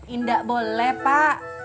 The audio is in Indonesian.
indah boleh pak